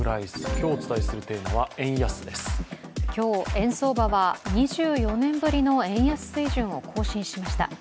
今日、円相場は２４年ぶりの円安水準を更新しました。